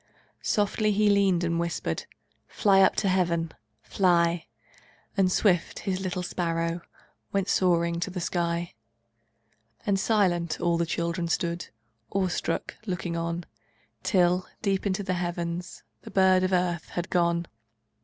Softly He leaned and whispered: "Fly up to Heaven! Fly!" And swift, His little sparrow Went soaring to the sky, And silent, all the children Stood, awestruck, looking on, Till, deep into the heavens, The bird of earth had gone.